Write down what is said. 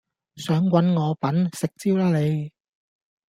想搵我笨？食蕉啦你！